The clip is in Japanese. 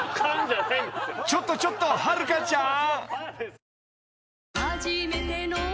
ちょっとちょっと遥ちゃん！